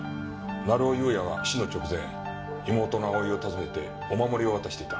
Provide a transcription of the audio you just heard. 成尾優也は死の直前妹の蒼を訪ねてお守りを渡していた。